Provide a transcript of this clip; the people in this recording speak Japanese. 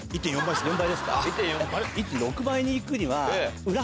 １．６倍に行くには。